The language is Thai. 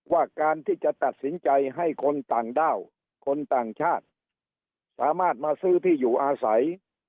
ว่าการที่จะตัดสินใจให้คนต่างด้าวคนต่างชาติสามารถมาซื้อที่อยู่อาศัย